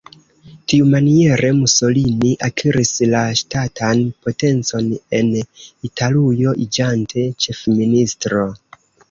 Tiumaniere Mussolini akiris la ŝtatan potencon en Italujo iĝante ĉefministro.